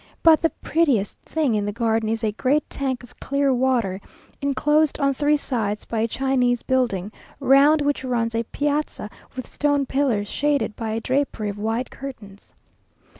But the prettiest thing in the garden is a great tank of clear water, enclosed on three sides by a Chinese building, round which runs a piazza with stone pillars, shaded by a drapery of white curtains.